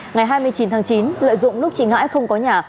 ngày hai mươi chín tháng chín lợi dụng lúc chị ngãi không có nhà